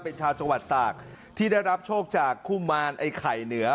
เป็นชาวจังหวัดตากที่ได้รับโชคจากคู่มารไอ้ไข่เหนือ